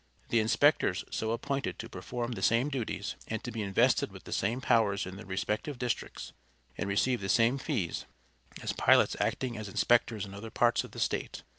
The inspectors so appointed to perform the same duties, and to be invested with the same powers in their respective districts, and receive the same fees, as pilots acting as inspectors in other parts of the State.